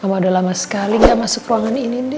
kamu udah lama sekali enggak masuk ruangan ini deh